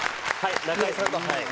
中居さんとは。